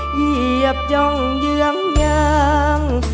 เหยียบย่องเยืองเงิง